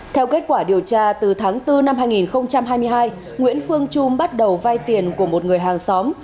theo kết quả điều tra từ tháng bốn năm hai nghìn hai mươi hai nguyễn phương trung bắt đầu vay tiền của một người hàng xóm